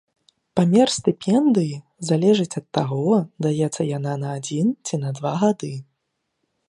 Памер стыпендыі залежыць ад таго, даецца яна на адзін ці на два гады.